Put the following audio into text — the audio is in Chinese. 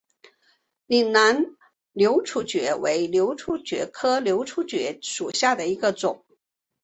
岭南瘤足蕨为瘤足蕨科瘤足蕨属下的一个种。